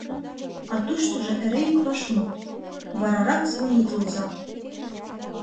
А туштыжо эре ик вашмут: «Варарак звонитлыза».